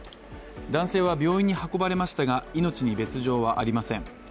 男性は病院に運ばれましたが命に別状はありません。